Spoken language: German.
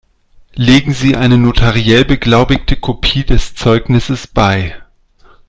Legen Sie eine notariell beglaubigte Kopie des Zeugnisses bei.